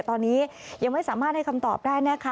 ตอนนี้ยังไม่สามารถให้คำตอบได้นะคะ